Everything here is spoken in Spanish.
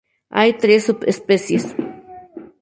Hay tres subespecies.